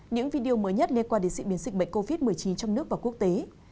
những video mới nhất liên quan đến diễn biến dịch bệnh covid một mươi chín trong nước và quốc tế